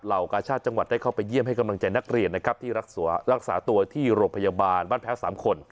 กาชาติจังหวัดได้เข้าไปเยี่ยมให้กำลังใจนักเรียนนะครับที่รักษารักษาตัวที่โรงพยาบาลบ้านแพ้๓คน